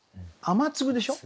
「雨粒」でしょ？